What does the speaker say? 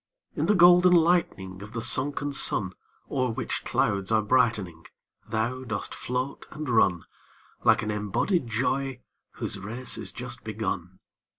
In the golden lightning Of the sunken sun, O'er which clouds are brightening, Thou dost float and run, Like an embodied joy whose race is just begun.